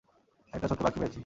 একটা ছোট্ট পাখি পেয়েছি।